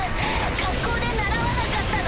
学校で習わなかったの？